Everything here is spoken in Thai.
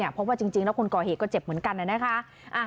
เพราะว่าจริงแล้วคนก่อเหตุก็เจ็บเหมือนกันนะคะ